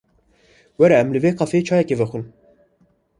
Were em li vê kafeyê çayekê vexwin.